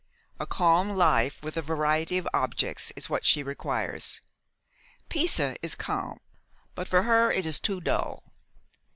A calm life, with a variety of objects, is what she requires. Pisa is calm, but for her it is too dull.